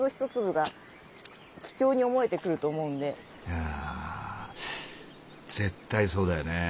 いやあ絶対そうだよね。